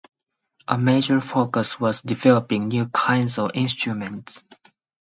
A major focus was developing new kinds of instruments.